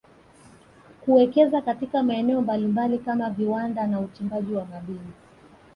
kuwekeza katika maeneo mbalimbali kama viwanda na uchimbaji wa madini